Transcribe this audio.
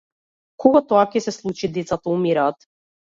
Кога тоа ќе се случи децата умираат.